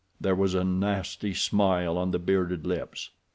There was a nasty smile on the bearded lips.